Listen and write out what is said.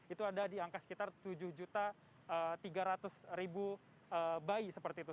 itu ada di angka sekitar tujuh tiga ratus bayi seperti itu